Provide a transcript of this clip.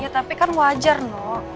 ya tapi kan wajar no